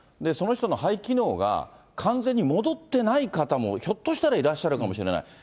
その人の肺機能が完全に戻ってない方も、ひょっとしたらいらっしゃるかもしれない。